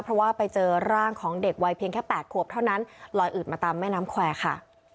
เพราะว่าไปเจอร่างของเด็กวัยเพียงแค่๘ขวบเท่านั้นลอยอืดมาตามแม่น้ำแควร์ค่ะ